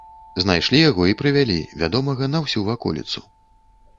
Знайшлі яго і прывялі, вядомага на ўсю ваколіцу.